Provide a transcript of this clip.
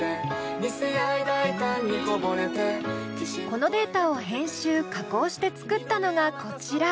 このデータを編集加工して作ったのがこちら。